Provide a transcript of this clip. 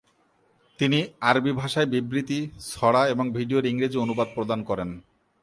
তিনি আরবি ভাষার বিবৃতি, ছড়া এবং ভিডিওর ইংরেজি অনুবাদ প্রদান করেন।